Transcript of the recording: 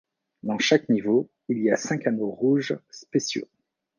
Dans chaque niveau, il y a cinq anneaux rouges spéciaux.